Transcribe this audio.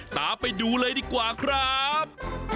ตามไปดูเลยดีกว่าครับ